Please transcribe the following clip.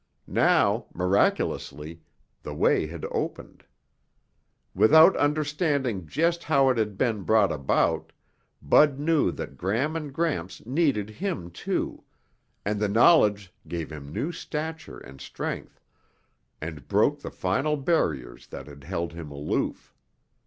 Now, miraculously, the way had opened. Without understanding just how it had been brought about, Bud knew that Gram and Gramps needed him, too, and the knowledge gave him new stature and strength, and broke the final barriers that had held him aloof.